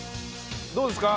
どうですか？